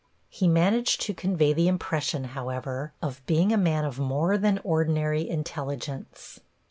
He managed to convey the impression, however, of being a man of more than ordinary intelligence.